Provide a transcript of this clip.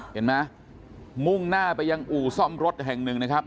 เห็นไหมมุ่งหน้าไปยังอู่ซ่อมรถแห่งหนึ่งนะครับ